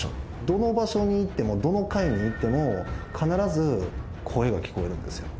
どの場所に行ってもどの階に行っても必ず声が聞こえるんですよ